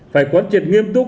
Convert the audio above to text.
phải quan triệt nghiêm túc